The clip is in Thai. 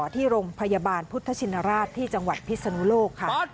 ที่โรงพยาบาลพุทธชินราชที่จังหวัดพิศนุโลกค่ะ